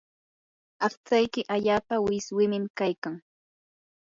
aqtsayki allaapa wiswimim kaykan.